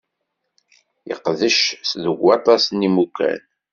Yeqdec deg waṭas n yimukan.